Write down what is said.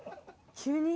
急に」